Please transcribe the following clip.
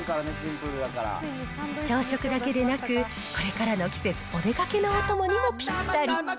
朝食だけでなく、これからの季節、お出かけのお供にもぴったり。